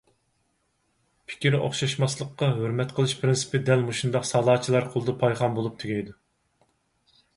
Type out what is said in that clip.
پىكىر ئوخشاشماسلىققا ھۆرمەت قىلىش پىرىنسىپى دەل مۇشۇنداق سالاچىلار قولىدا پايخان بولۇپ تۈگەيدۇ.